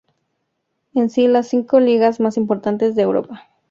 En si las cinco ligas más importantes de Europa.